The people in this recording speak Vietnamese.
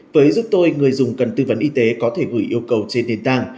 với giúp tôi người dùng cần tư vấn y tế có thể gửi yêu cầu trên nền tảng